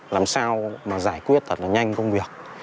làm sao mà giải quyết thật là nhanh công việc